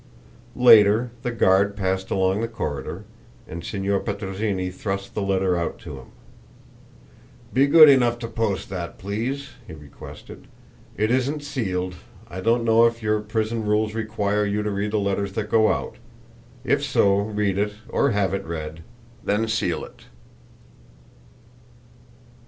Later the guard passed along the corridor, and Signor Petrozinni thrust the letter out to him. "Be good enough to post that, please," he requested. "It isn't sealed. I don't know if your prison rules require you to read the letters that go out. If so, read it, or have it read, then seal it."